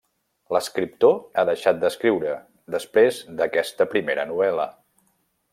L'escriptor ha deixat d'escriure, després d'aquesta primera novel·la.